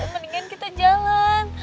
mendingan kita jalan